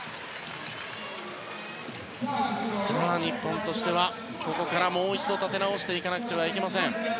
日本としてはここからもう一度立て直さないといけません。